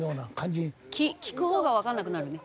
聞くほうがわからなくなるね。